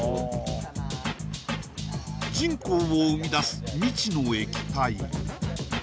沈香を生み出す未知の液体